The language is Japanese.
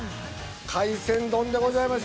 海鮮丼でございます。